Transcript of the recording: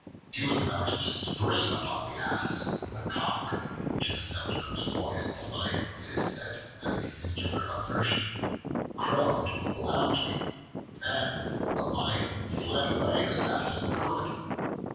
He was about to spring upon the Ass, when the Cock (to the sound of whose voice the Lion, it is said, has a singular aversion) crowed loudly, and the Lion fled away as fast as he could.